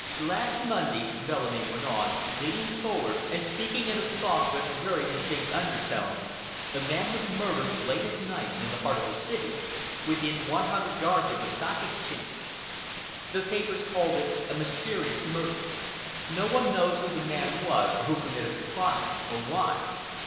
"Last Monday," Bellamy went on, leaning forward and speaking in a soft but very distinct undertone, "a man was murdered late at night in the heart of the city—within one hundred yards of the Stock Exchange. The papers called it a mysterious murder. No one knows who the man was, or who committed the crime, or why.